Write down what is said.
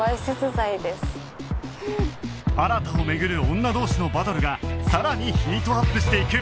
新を巡る女同士のバトルがさらにヒートアップしていく